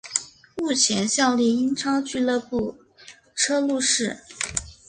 目前效力英超俱乐部车路士。